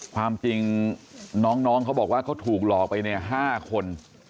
ความจริงน้องเขาบอกว่าเขาถูกหลอกไปเนี่ย๕คน